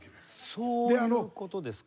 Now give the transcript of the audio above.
そういう事ですか。